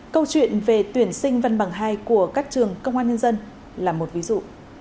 câu chuyện về tuyển sinh văn bằng hai của các trường công an nhân dân là một ví dụ